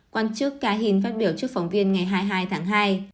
quan chức ka hin phát biểu trước phóng viên ngày hai mươi hai tháng hai